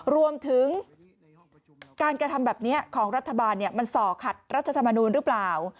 รวมถึงการกระทำแบบนี้ของรัฐบาลมันส่อขัดรัฐธรรมนูลหรือเปล่า